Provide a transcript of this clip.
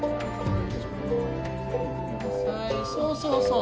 そうそうそう。